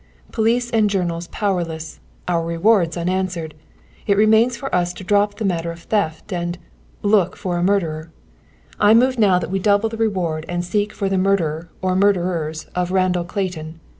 Police and journals powerless, our rewards unanswered! It remains for us to drop the matter of theft, and look for a murderer. "I now move that we double the reward and seek for the murderer or murderers of Randall Clayton!